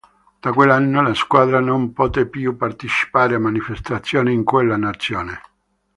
Da quell'anno la squadra non poté più partecipare a manifestazioni in quella nazione.